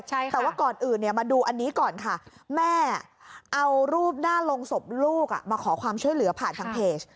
แต่ว่าก่อนอื่นเนี่ยมาดูอันนี้ก่อนค่ะแม่เอารูปหน้าลงศพลูกมาขอความช่วยเหลือผ่านทางเพจ